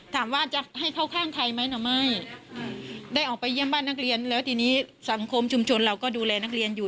ถามว่าจะให้เข้าข้างไทยไหมหรือไม่ได้ออกไปเยี่ยมบ้านนักเรียนแล้วทีนี้สังคมชุมชนเราก็ดูแลนักเรียนอยู่